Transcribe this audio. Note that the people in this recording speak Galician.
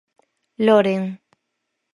Loren.